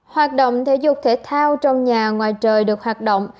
hoạt động thể dục thể thao trong nhà ngoài trời được hoạt động